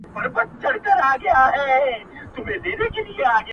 په خِلقت کي مي حکمت د سبحان وینم,